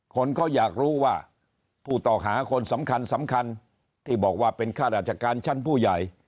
คนเขาอยากรู้ว่าผู้ต่อหาคนสำคัญสำคัญที่บอกว่าเป็นข้าราชการชั้นผู้ใหญ่